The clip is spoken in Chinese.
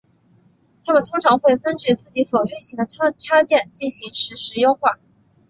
它们通常会根据自己所运行的插件进行实时优化。